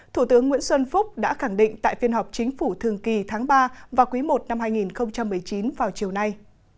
thủ tướng nguyễn xuân phúc đã khẳng định tại phiên họp chính phủ thường kỳ tháng ba và quý i năm hai nghìn một mươi chín vào chiều nay